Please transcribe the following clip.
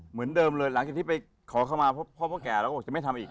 เหมือนเดิมเลยหลังจากที่ไปขอเข้ามาพ่อพ่อแก่เราก็บอกจะไม่ทำอีก